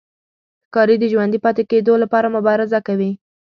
ښکاري د ژوندي پاتې کېدو لپاره مبارزه کوي.